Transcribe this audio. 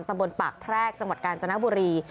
ตำบลปากแพรกจังหวัดกาญจนบุรี